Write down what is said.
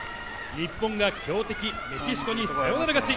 日本が強敵メキシコにサヨナラ勝ち。